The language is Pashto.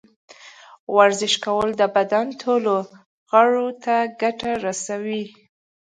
ورزش کول د بدن ټولو غړو ته ګټه رسوي.